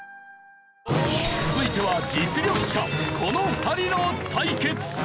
続いては実力者この２人の対決！